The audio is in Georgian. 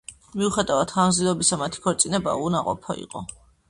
მიუხედავად ხანგრძლივობისა, მათი ქორწინება უნაყოფო იყო.